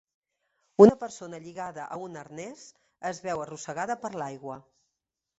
Una persona lligada a un arnès es veu arrossegada per l'aigua.